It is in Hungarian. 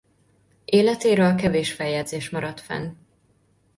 Életéről kevés feljegyzés maradt fenn.